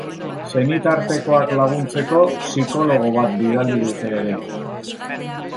Senitartekoak laguntzeko psikologo bat bidali dute ere.